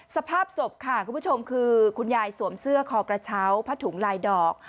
สภาพศพค่ะคุณผู้ชมคือคุณยายสวมเสื้อคอกระเช้าผ้าถุงลายดอก